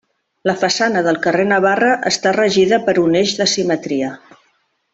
La façana del carrer Navarra està regida per un eix de simetria.